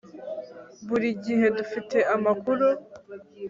buri gihe dufite amakuru